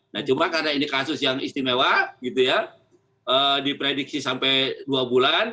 nah cuma karena ini kasus yang istimewa gitu ya diprediksi sampai dua bulan